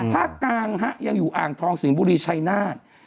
ภาคกลางฮะยังอยู่อ่างทองสิงห์บุรีชัยนาธ